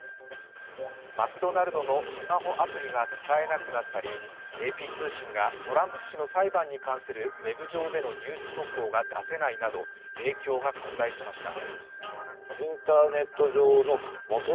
マクドナルドのスマホアプリが使えなくなったり、ＡＰ通信がトランプ氏の裁判に関するウェブ上でのニュース速報が出せないなど影響が拡大しました。